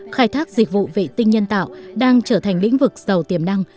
khai thác dịch vụ vệ tinh nhân tạo đang trở thành lĩnh vực giàu tiềm năng